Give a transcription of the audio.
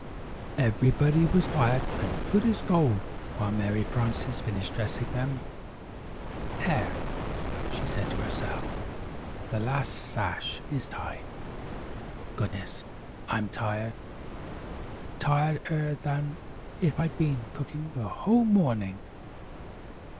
Everybody was quiet and good as gold while Mary Frances finished dressing them. "There," she said to herself, "the last sash is tied. Goodness, I'm tired tired er than if I'd been cooking the whole morning!